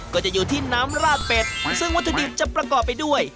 ก็จะอยู่ที่น้ำราดเป็ดซึ่งวัตถุดิบจะประกอบไปด้วย